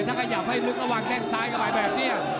ถ้าขยับให้ลึกระวังแข้งซ้ายเข้าไปแบบนี้